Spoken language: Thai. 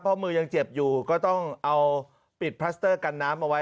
เพราะมือยังเจ็บอยู่ก็ต้องเอาปิดพลัสเตอร์กันน้ำเอาไว้